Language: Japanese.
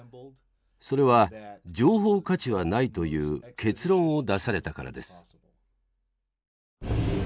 それは情報価値はないという結論を出されたからです。